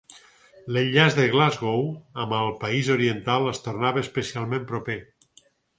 L'enllaç de Glasgow amb el país oriental es tornava especialment proper.